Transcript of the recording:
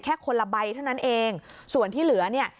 แค่คนละใบเท่านั้นเองส่วนที่เหลือเนี่ย